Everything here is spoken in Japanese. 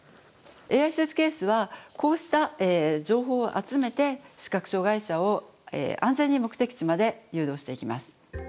ＡＩスーツケースはこうした情報を集めて視覚障害者を安全に目的地まで誘導していきます。